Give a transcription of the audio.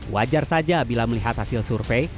wajar saja bila melihat hasil survei